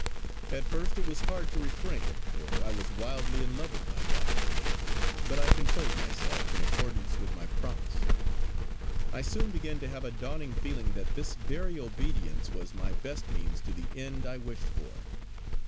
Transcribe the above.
At first it was hard to refrain, for I was wildly in love with my wife; but I controlled myself in accordance with my promise. I soon began to have a dawning feeling that this very obedience was my best means to the end I wished for.